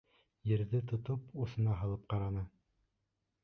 Ерҙе тотоп, усына һалып ҡараны.